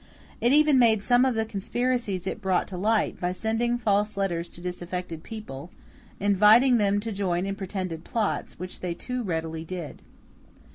It even made some of the conspiracies it brought to light, by sending false letters to disaffected people, inviting them to join in pretended plots, which they too readily did.